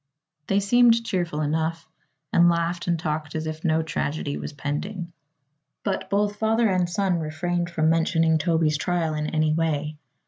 They seemed cheerful enough and laughed and talked as if no tragedy was pending; but both father and son refrained from mentioning Toby's trial in any way.